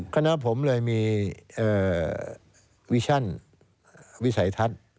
คณะผมเลยมีวิชั่นวิสัยทัศน์